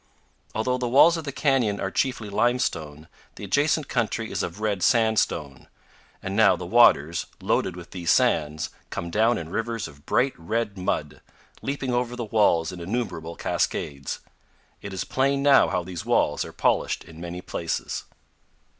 Although the walls of the canyon are chiefly limestone, the adjacent country is of red sandstone; and now the waters, loaded with these sands, come down in rivers of bright red mud, leaping over the walls in innumerable cascades. It is plain now how these walls are polished in many places.